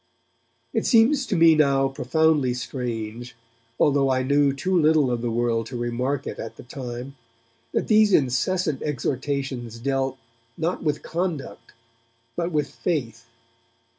It seems to me now profoundly strange, although I knew too little of the world to remark it at the time, that these incessant exhortations dealt, not with conduct, but with faith.